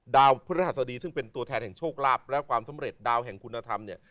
ดาวพฤหัสดีซึ่งเป็นตัวแทนแห่งโชคลาภและความสำเร็จดาวแห่งคุณธรรมเนี่ย